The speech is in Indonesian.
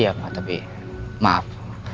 iya pak tapi maaf